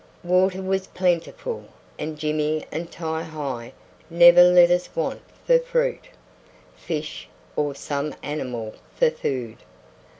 Water was plentiful, and Jimmy and Ti hi never let us want for fruit, fish, or some animal for food.